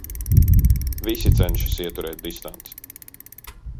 Visi cenšas ieturēt distanci.